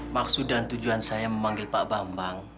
maksud dan tujuan saya memanggil pak bambang